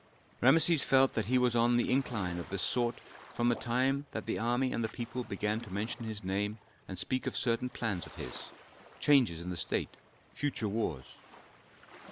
Rameses felt that he was on an incline of this sort from the time that the army and the people began to mention his name and speak of certain plans of his, changes in the state, future wars.